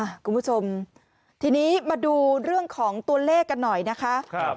คุณผู้ชมทีนี้มาดูเรื่องของตัวเลขกันหน่อยนะคะครับ